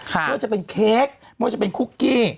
ไม่ว่าจะเป็นเค้กไม่ว่าจะเป็นคุกกี้